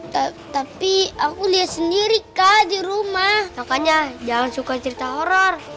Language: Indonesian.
tetapi aku lihat sendiri kak di rumah makanya jangan suka cerita horor